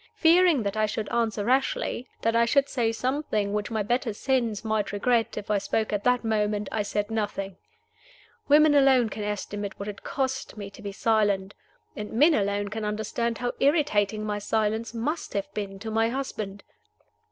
Fearing that I should answer rashly, that I should say something which my better sense might regret, if I spoke at that moment, I said nothing. Women alone can estimate what it cost me to be silent. And men alone can understand how irritating my silence must have been to my husband.